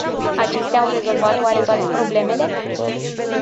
Acestea au rezolvat oare toate problemele?